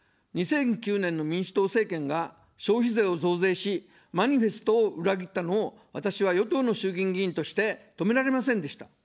２００９年の民主党政権が消費税を増税し、マニフェストを裏切ったのを、私は与党の衆議院議員として止められませんでした。